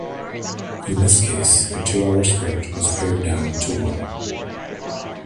In this case, a two-hour script was pared down to one.